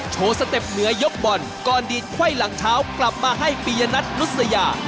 สเต็ปเหนือยกบอลก่อนดีดไขว้หลังเช้ากลับมาให้ปียนัทนุษยา